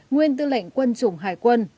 nguyên tư lệnh quân chủng hải quân